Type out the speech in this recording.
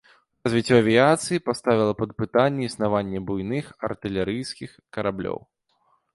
Развіццё авіяцыі паставіла пад пытанне існаванне буйных артылерыйскіх караблёў.